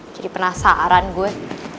jadi penasaran gue